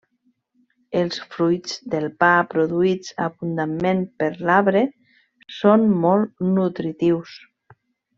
Els fruits del pa produïts abundantment per l'arbre són molt nutritius.